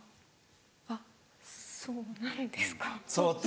あっそうなんですか？